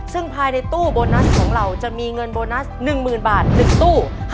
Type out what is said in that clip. ซึ่งภายในตู้โบนัสของเราจะมีเงินโบนัส๑๐๐๐บาท๑ตู้